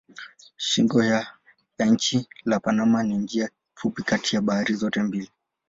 Shingo ya nchi la Panama ni njia fupi kati ya bahari zote mbili.